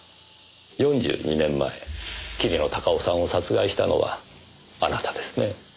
４２年前桐野孝雄さんを殺害したのはあなたですね。